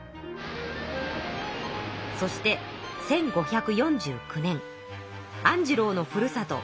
そして１５４９年アンジローのふるさと